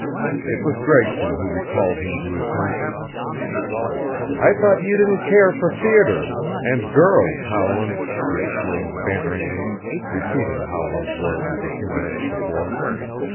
It was Gregson who recalled him to his senses. "I thought you didn't care for theaters and girls, Howland," he exclaimed banteringly, repeating Howland's words of a few minutes before.